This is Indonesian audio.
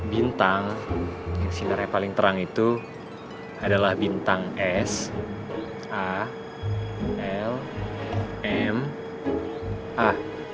bintang yang sinarnya paling terang itu adalah bintang s a lm a